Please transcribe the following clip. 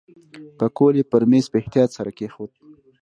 پکول یې پر میز په احتیاط سره کېښود.